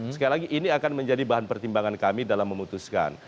sekali lagi ini akan menjadi bahan pertimbangan kami dalam memutuskan